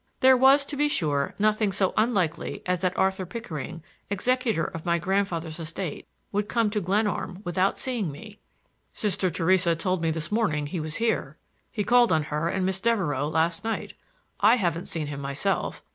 There was, to be sure, nothing so unlikely as that Arthur Pickering, executor of my grandfather's estate, would come to Glenarm without seeing me. "Sister Theresa told me this morning he was here. He called on her and Miss Devereux last night. I haven't seen him myself.